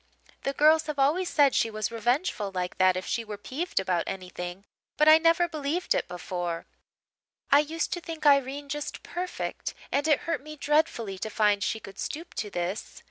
The girls have always said she was revengeful like that if she were peeved about anything; but I never believed it before; I used to think Irene just perfect, and it hurt me dreadfully to find she could stoop to this.